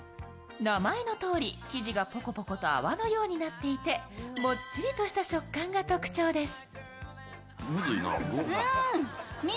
名前のとおり生地がポコポコと泡のようになっていてもっちりとした食感が特徴です。